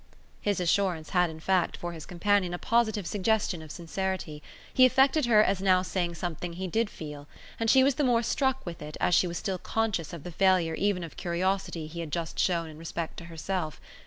His assurance had in fact for his companion a positive suggestion of sincerity; he affected her as now saying something he did feel; and she was the more struck with it as she was still conscious of the failure even of curiosity he had just shown in respect to herself.